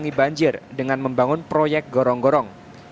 mengurangi banjir dengan membangun proyek gorong gorong